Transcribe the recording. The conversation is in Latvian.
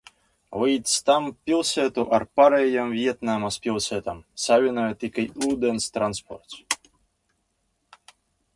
Līdz tam pilsētu ar pārējām Vjetnamas pilsētām savienoja tikai ūdens transports.